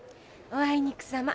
おあいにくさま。